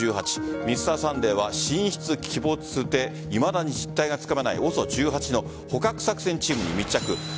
「Ｍｒ．サンデー」は神出鬼没でいまだに実態がつかめないＯＳＯ１８の捕獲作戦チームに密着。